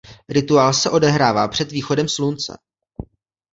Rituál se odehrává před východem slunce.